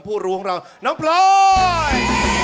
รู้ของเราน้องพลอย